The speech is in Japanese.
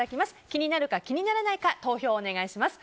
気になるか、気にならないか投票をお願いします。